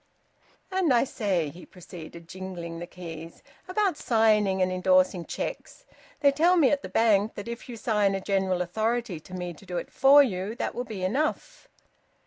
"And I say," he proceeded, jingling the keys, "about signing and endorsing cheques. They tell me at the Bank that if you sign a general authority to me to do it for you, that will be enough."